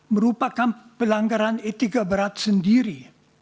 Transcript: merupakan pelanggaran etika berat sendiri